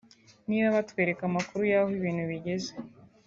nibo batwereka amakuru y’aho ibintu bigeze